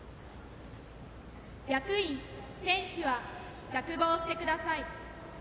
役員、選手は着帽してください。